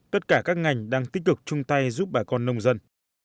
tất cả các ngành đang tích cực chung tay giúp bà con nông dân